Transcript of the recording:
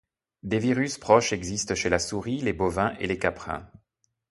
Des virus proches existent chez la souris, les bovins et les caprins.